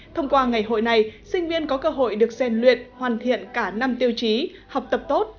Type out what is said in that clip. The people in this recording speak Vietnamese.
thông qua ngày hội này sinh viên có cơ hội được xen luyện hoàn thiện cả năm tiêu chí học tập tốt